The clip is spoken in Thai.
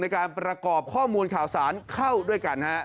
ในการประกอบข้อมูลข่าวสารเข้าด้วยกันฮะ